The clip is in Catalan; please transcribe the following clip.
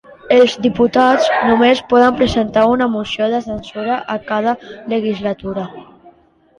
Els diputats només poden presentar una moció de censura a cada legislatura.